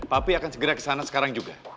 papi akan segera kesana sekarang juga